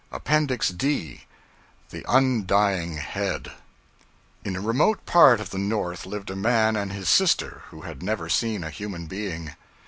APPENDIX D THE UNDYING HEAD IN a remote part of the North lived a man and his sister, who had never seen a human being.